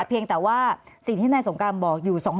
เพียงแต่ว่าสิ่งที่นายสงการบอกอยู่